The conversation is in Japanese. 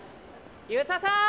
遊佐さん。